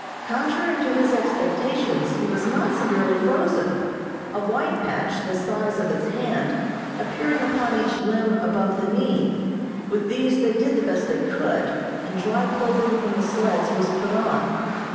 Contrary to his expectations, he was not severely frozen, a white patch, the size of his hand, appearing upon each limb above the knee. With these they did the best they could, and dry clothing from the sleds was put on.